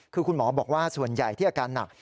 คือคุณหมอบอกว่าส่วนใหญ่ที่อาการหนัก